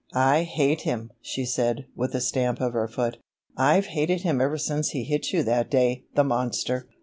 "I hate him!" she said, with a stamp of her foot. "I've hated him ever since he hit you that day, the monster!"